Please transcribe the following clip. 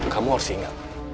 kamu harus ingat